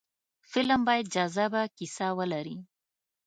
فلم باید جذابه کیسه ولري